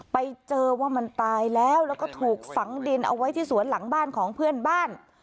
ไปเจอว่ามันตายแล้วแล้วก็ถูกฝังดินเอาไว้ที่สวนหลังบ้านของเพื่อนบ้าน